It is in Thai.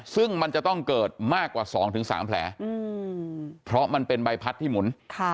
ซึ่งมันจะต้องเกิดมากกว่า๒๓แผลเพราะมันเป็นใบพัดที่หมุน